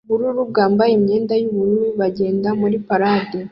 ubururu bwambaye imyenda yubururu bagenda muri parade